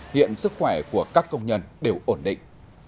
hiện sức khỏe của các công nhân đều ổn định